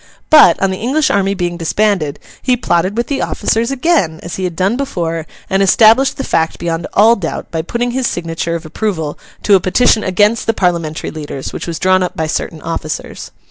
But, on the English army being disbanded, he plotted with the officers again, as he had done before, and established the fact beyond all doubt by putting his signature of approval to a petition against the Parliamentary leaders, which was drawn up by certain officers.